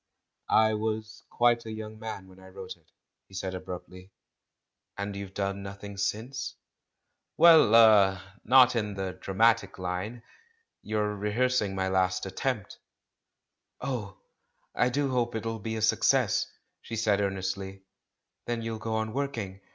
"I was quite a young man when I wrote it," he said abruptly. "And you've done nothing since?" "Well — er — not in the dramatic line. You're rehearsing my last attempt." "Oh, I do hope it'll be a success!" she said earnestly, "then you'll go on working.